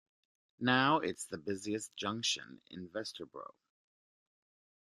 Now it is the busiest junction in Vesterbro.